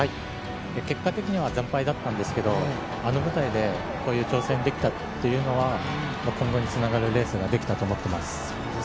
結果的には惨敗だったんですけど、あの舞台でこういう挑戦ができたというのは今後につながるレースができたと思っています。